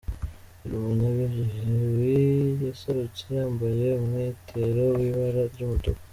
Uyu munyabigwi yaserutse yambaye umwitero w’ibara ry’umutuku.